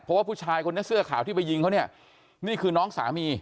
เพราะว่าผู้ชายคนนี้เสื้อขาวที่ไปยิงเขาเนี่ยนี่คือน้องสามี